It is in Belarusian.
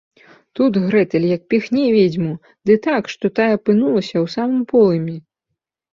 Тут Грэтэль як піхне ведзьму, ды так, што тая апынулася ў самым полымі